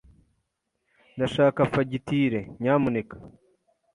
Ndashaka fagitire, nyamuneka.